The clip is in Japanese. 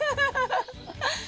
ハハハハハ。